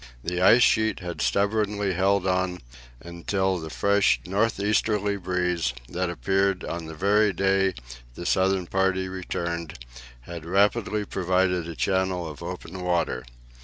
The ice sheet had stubbornly held on until the fresh north easterly breeze, that appeared on the very day the southern party returned, had rapidly provided a channel of open water.